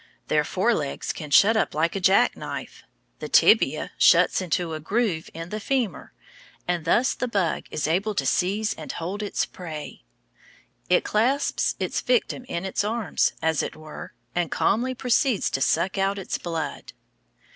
Their fore legs can shut up like a jackknife. The tibia shuts into a groove in the femur, and thus the bug is able to seize and hold its prey. It clasps its victim in its arms, as it were, and calmly proceeds to suck out its blood.